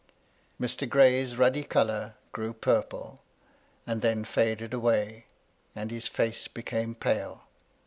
Mr. Gray's ruddy colour grew purple, and then faded away, and his face became pale.